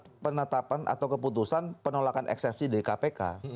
pada saat penatapan atau keputusan penolakan eksepsi dari kpk